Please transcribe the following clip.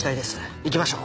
行きましょう。